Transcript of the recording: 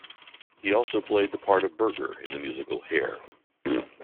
He also played the part of Berger in the musical "Hair".